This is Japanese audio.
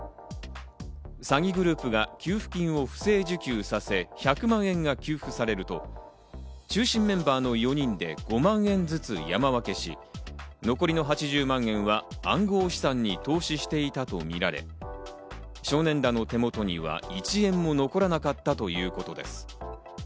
詐欺グループは給付金を不正受給させ、１００万円が給付されると中心メンバーの４人で５万円ずつ山分けし、残りの８０万円は暗号資産に投資していたとみられ、少年らの手元には１円も残らなかったということです。